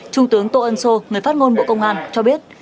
trung tướng tô ân sô người phát ngôn bộ công an cho biết